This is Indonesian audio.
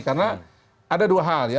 karena ada dua hal ya